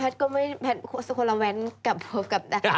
แต่ก็ไม่